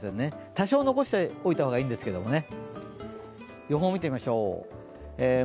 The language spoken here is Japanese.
多少残しておいた方がいいんですけどね。